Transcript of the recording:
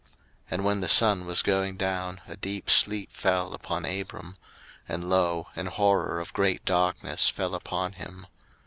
01:015:012 And when the sun was going down, a deep sleep fell upon Abram; and, lo, an horror of great darkness fell upon him.